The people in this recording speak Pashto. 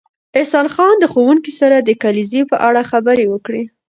احسان خان د ښوونکي سره د کلیزې په اړه خبرې وکړې